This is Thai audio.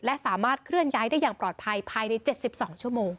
และสามารถเคลื่อนย้ายได้อย่างปลอดภัยภายใน๗๒ชั่วโมง